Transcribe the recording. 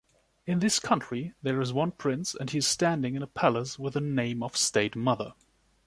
In this country, there is one prince and he is standing in a palace with a name of state mother.